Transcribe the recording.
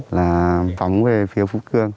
là phóng về phía phú cương